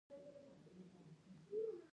دارو موسه.